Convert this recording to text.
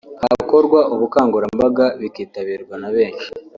hakorwa ubukangurambaga bikitabirwa na benshi